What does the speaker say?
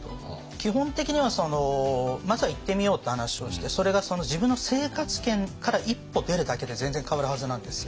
基本的にはまずは行ってみようって話をしてそれが自分の生活圏から一歩出るだけで全然変わるはずなんですよ。